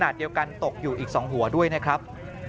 เดียวกันตกอยู่อีก๒หัวด้วยนะครับ